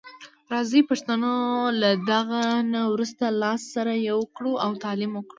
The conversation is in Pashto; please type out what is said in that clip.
راځي پښتنو له دغه نه وروسته لاس سره یو کړو او تعلیم وکړو.